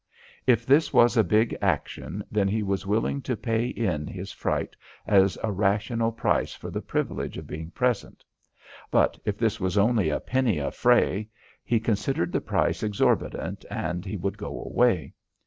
If this was a big action, then he was willing to pay in his fright as a rational price for the privilege of being present. But if this was only a penny affray, he considered the price exorbitant, and he would go away.